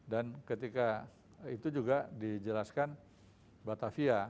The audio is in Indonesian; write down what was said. dan ketika itu juga dijelaskan batavia